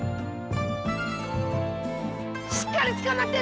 しっかりつかまってろ。